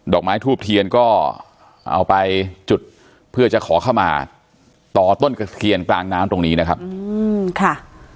อกไม้ทูบเทียนก็เอาไปจุดเพื่อจะขอเข้ามาต่อต้นกระเทียนกลางน้ำตรงนี้นะครับอืมค่ะ